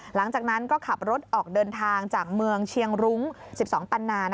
หลังจากนั้นก็ขับรถออกเดินทางจากเมืองเชียงรุ้ง๑๒ปันนา